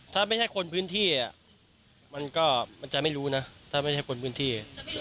ถ้าไม่ใช่คนพื้นที่มันก็มันจะไม่รู้นะถ้าไม่ใช่คนพื้นที่